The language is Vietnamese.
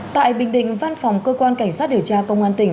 tại bình định văn phòng cơ quan cảnh sát điều tra công an tỉnh